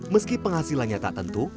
meski penghasilannya tak tentu